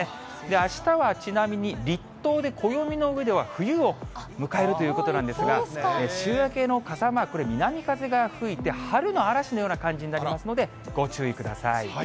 あしたはちなみに、立冬で、暦の上では冬を迎えるということなんですが、週明けの傘マーク、これ、南風が吹いて、春の嵐のような感じになりますので、ご注意ください。